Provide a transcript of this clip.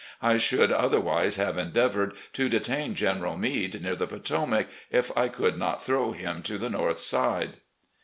I should, otherwise, have endeavoured to detain General Meade near the Potomac, if I could not throw him to the north side."